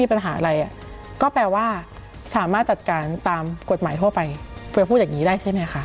ที่บอกว่าจัดการได้ทั่วไป